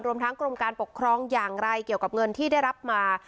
รวมทั้งกรมการปกครองอย่างไรเกี่ยวกับเงินที่ได้รับมา